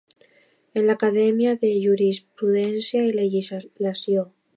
En l'Acadèmia de Jurisprudència i Legislació.